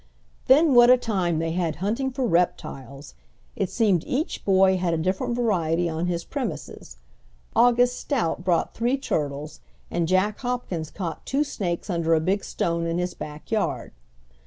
Then what a time they had hunting for reptiles! It seemed each boy had a different variety on his premises. August Stout brought three turtles and Jack Hopkins caught two snakes under a big stone in his back yard.